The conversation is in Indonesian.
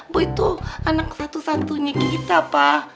boy tuh anak satu satunya kita pa